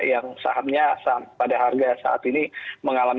yang sahamnya pada harga saat ini mengalami